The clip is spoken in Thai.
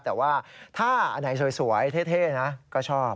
แต่ว่าถ้าอันไหนสวยเท่นะก็ชอบ